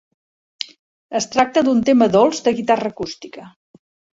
Es tracta d'un tema dolç de guitarra acústica.